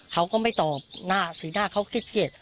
เขาก็ไม่ตอบสีหน้าเขาเกลียด